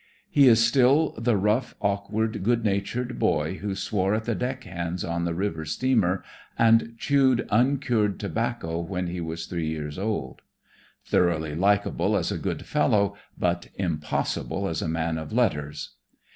He is still the rough, awkward, good natured boy who swore at the deck hands on the river steamer and chewed uncured tobacco when he was three years old. Thoroughly likeable as a good fellow, but impossible as a man of letters.